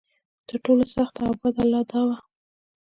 تر ټولو سخته او بده لا دا وه.